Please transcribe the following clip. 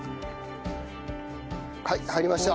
はい入りました。